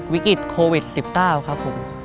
วิกฤตโควิด๑๙ครับผม